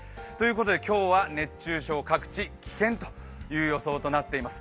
今日は熱中症、各地危険という予想となっています。